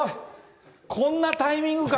こんなタイミングか？